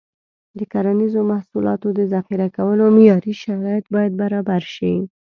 د کرنیزو محصولاتو د ذخیره کولو معیاري شرایط باید برابر شي.